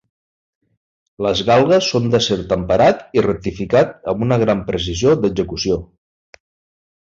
Les galgues són d'acer temperat i rectificat amb una gran precisió d'execució.